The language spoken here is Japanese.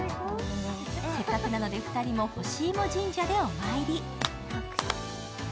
せっかくなので２人も、ほしいも神社でお参り。